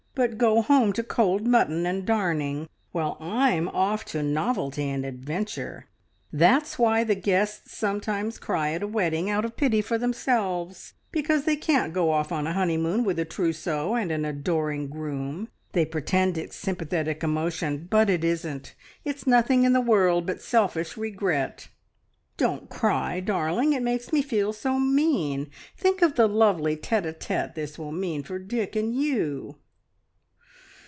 But go home to cold mutton and darning, while I'm off to novelty and adventure. That's why the guests sometimes cry at a wedding, out of pity for themselves, because they can't go off on a honeymoon with a trousseau and an adoring groom. They pretend it's sympathetic emotion, but it isn't; it's nothing in the world but selfish regret. ... Don't cry, darling; it makes me feel so mean. Think of the lovely tete a tete this will mean for Dick and you!"